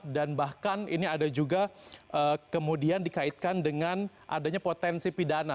dan bahkan ini ada juga kemudian dikaitkan dengan adanya potensi pidana